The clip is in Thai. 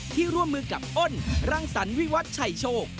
ร่วมมือกับอ้นรังสรรวิวัตชัยโชค